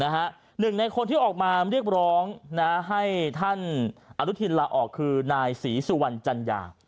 หนึ่งในคนที่ออกมาเรียกร้องให้ท่านอนุทินลาออกคือนายศรีสุวรรณจัญญา